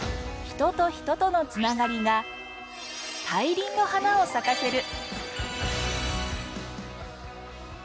人と人との繋がりが大輪の花を咲かせる。